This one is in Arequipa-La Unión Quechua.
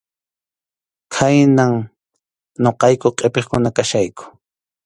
Khaynam ñuqayku qʼipiqkuna kachkayku.